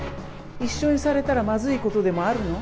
一緒にされたらまずいことでもあるの？